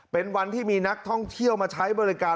เป็นวันที่มีนักท่องเที่ยวมาใช้บริการ